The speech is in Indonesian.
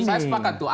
saya sepakat tuh